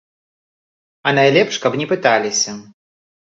А найлепш, каб не пыталіся.